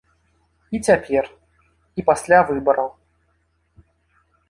І цяпер, і пасля выбараў.